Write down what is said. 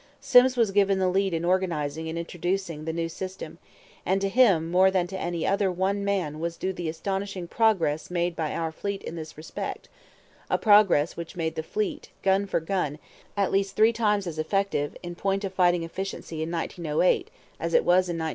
Sims was given the lead in organizing and introducing the new system; and to him more than to any other one man was due the astonishing progress made by our fleet in this respect, a progress which made the fleet, gun for gun, at least three times as effective, in point of fighting efficiency, in 1908, as it was in 1902.